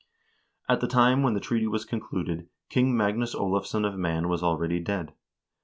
1 At the time when the treaty was concluded, King Magnus Olavsson of Man was already dead.